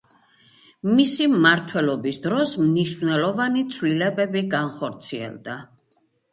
მისი მმართველობის დროს მნიშვნელოვანი ცვლილებები განხორციელდა.